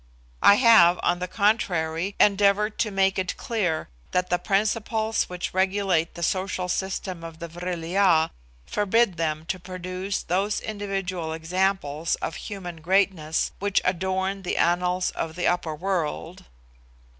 I have, on the contrary, endeavoured to make it clear that the principles which regulate the social system of the Vril ya forbid them to produce those individual examples of human greatness which adorn the annals of the upper world.